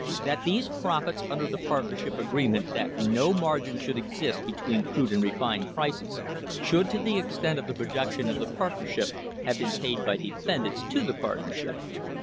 That these rofits, under the partnership agreement that no margin should exist between crude nd refined prices, should to the extent of the production of the partnership have been aid by defendants to the partnership.